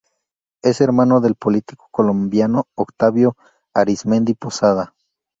Es hermano del político colombiano Octavio Arizmendi Posada.